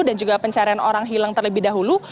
dan juga pencarian orang hilang terlebih dahulu